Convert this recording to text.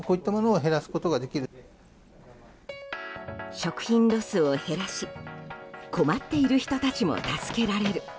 食品ロスを減らし困っている人たちも助けられる。